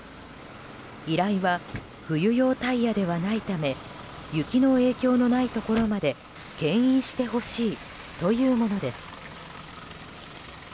依頼は、冬用タイヤではないため雪の影響のないところまで牽引してほしいというものです。